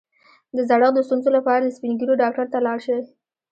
د زړښت د ستونزو لپاره د سپین ږیرو ډاکټر ته لاړ شئ